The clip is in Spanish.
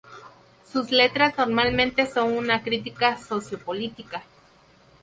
Sus letras normalmente son una crítica socio-política.